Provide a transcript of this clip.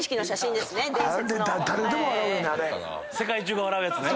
世界中が笑うやつね。